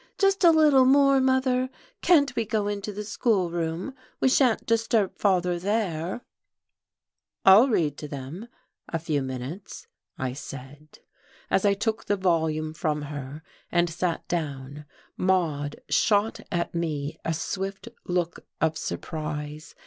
"Just a little more, mother! Can't we go into the schoolroom? We shan't disturb father there." "I'll read to them a few minutes," I said. As I took the volume from her and sat down Maude shot at me a swift look of surprise.